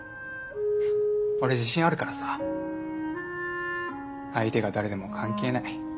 俺自信あるからさ相手が誰でも関係ない。